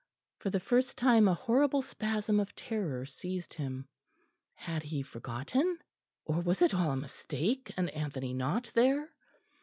For the first time a horrible spasm of terror seized him. Had he forgotten? or was it all a mistake, and Anthony not there?